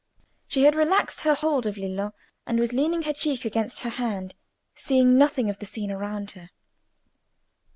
She had relaxed her hold of Lillo, and was leaning her cheek against her hand, seeing nothing of the scene around her.